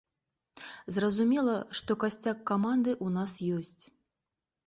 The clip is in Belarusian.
Зразумела, што касцяк каманды ў нас ёсць.